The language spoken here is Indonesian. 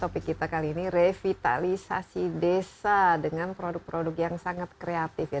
topik kita kali ini revitalisasi desa dengan produk produk yang sangat kreatif ya